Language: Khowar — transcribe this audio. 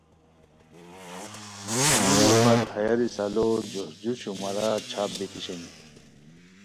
ہمونیہ پت ہیہ رسالو جوشجو شمارہ چھاپ بیتی شینی